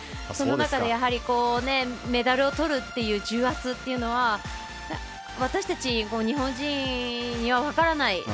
その中でメダルをとるっていう重圧っていうのは私たち日本人には分からない